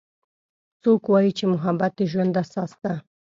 څوک وایي چې محبت د ژوند اساس ده